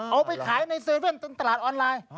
เอาไปขายใน๗๑๑ตลาดออนไลน์